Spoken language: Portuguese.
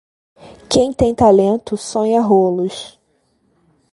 Quem tem talento, sonha rolos.